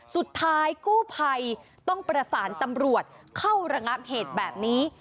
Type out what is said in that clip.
สุดท้ายกู้ภัยต้องประสานตำรวจเข้าระงับเหตุแบบนี้